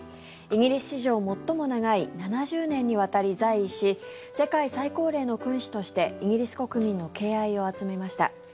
イギリス史上最も長い７０年にわたり在位し世界最高齢の君主としてイギリス国民の敬愛を集めました。